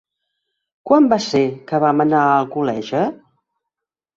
Quan va ser que vam anar a Alcoleja?